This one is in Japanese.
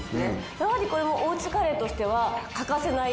やはりこれもおうちカレーとしては欠かせない